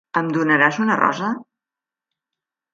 Em donaràs una rosa?